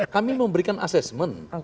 kami memberikan asesmen